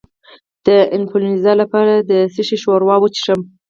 د انفلونزا لپاره د څه شي ښوروا وڅښم؟